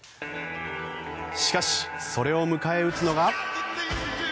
しかし、それを迎え撃つのが。